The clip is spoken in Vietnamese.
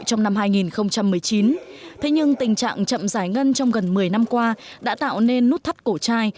trong năm hai nghìn một mươi chín thế nhưng tình trạng chậm giải ngân trong gần một mươi năm qua đã tạo nên nút thắt cổ trai